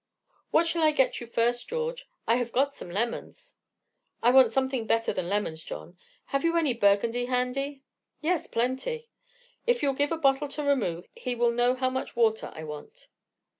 "What shall I get you first, George? I have got some lemons." "I want something better than lemons, John. Have you any Burgundy handy?" "Yes, plenty." "If you give a bottle to Ramoo he will know how much water I want."